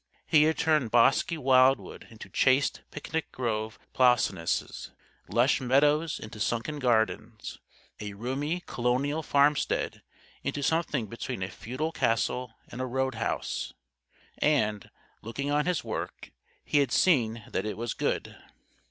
He had turned bosky wildwood into chaste picnic grove plaisaunces, lush meadows into sunken gardens, a roomy colonial farmstead into something between a feudal castle and a roadhouse. And, looking on his work, he had seen that it was good.